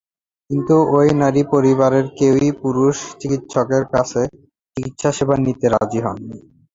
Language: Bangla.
কিন্তু ওই তিন নারীর পরিবারের কেউই পুরুষ চিকিৎসকের কাছে চিকিৎসাসেবা নিতে রাজি হননি।